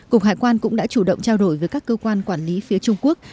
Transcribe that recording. cục hải quan cũng đã chủ động trao đổi với các cơ quan quản lý phía trung quốc